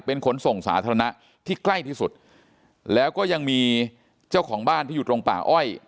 เป็นขนส่งสาธารณะที่ใกล้ที่สุดแล้วก็ยังมีเจ้าของบ้านที่อยู่ตรงป่าอ้อย